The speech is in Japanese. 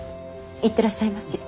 行ってらっしゃいまし。